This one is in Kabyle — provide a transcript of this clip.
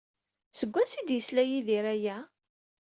Seg wansi ay d-yesla Yidir aya?